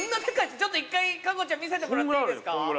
ちょっと１回かこちゃん見せてもらっていいですか？